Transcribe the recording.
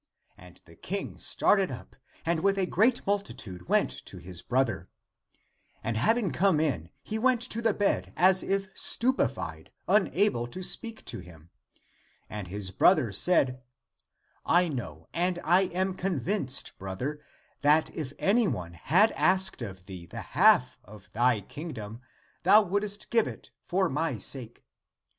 And the King started up, and with a great multitude went to his brother. And having come in he went to the bed as if stupe fied, unable to speak to him. And his brother said, " I know and I am convinced, brother, that if any one had asked of thee the half of thy kingdom, thou wouldst give it for my sake.